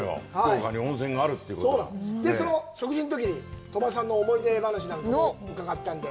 で、その食事のときに鳥羽さんの思い出話なんかも伺ったんで。